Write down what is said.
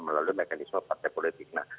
melalui mekanisme partai politik